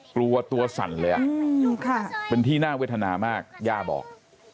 กลัวตัวสั่นเลยเป็นที่น่าเวทนามากย่าบอก